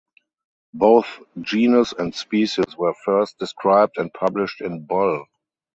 Both genus and species were first described and published in Bull.